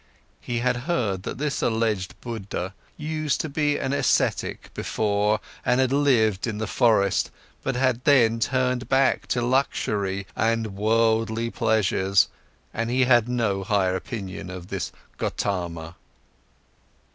He had heard that this alleged Buddha used to be an ascetic before and had lived in the forest, but had then turned back to luxury and worldly pleasures, and he had no high opinion of this Gotama.